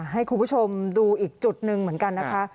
ให้คุณผู้ชมดูอีกจุดหนึ่งเหมือนกันนะคะ